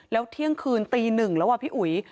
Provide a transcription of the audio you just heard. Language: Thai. แล้วเที่ยงคืนตีหนึ่งแล้วพี่อุ๋ย